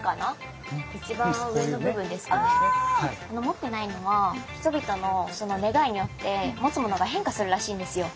持ってないのは人々のその願いによって持つものが変化するらしいんですよ。